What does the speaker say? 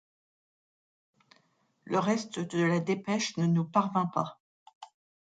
Le reste de la dépêche ne nous parvint pas.